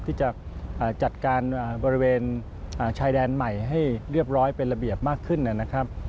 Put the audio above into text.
ที่จะจัดการบริเวณชายแดนใหม่ให้เรียบร้อยเป็นระเบียบมากขึ้นนะครับ